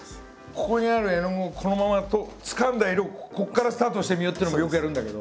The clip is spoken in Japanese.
ここにある絵の具をこのままつかんだ色ここからスタートしてみようっていうのもよくやるんだけど。